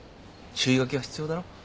注意書きは必要だろ。